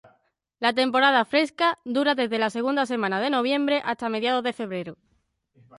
La temporada fresca dura desde la segunda semana de noviembre hasta mediados de febrero.